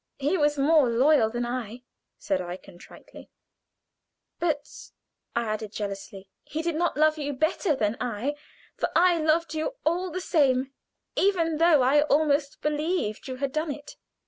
He was more loyal than I," said I, contritely; "but," I added, jealously, "he did not love you better than I, for I loved you all the same even though I almost believed you had done it.